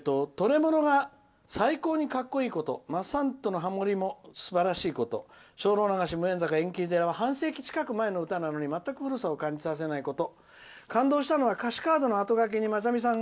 「トレモノが最高に格好いいことまっさんとのハモりがすばらしいこと「精霊流し」「無縁坂」、「縁切寺」は半世紀近く前の歌なのにまったく古さを感じさせないこと。